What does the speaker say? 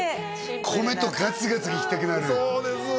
米とガツガツいきたくなるそうです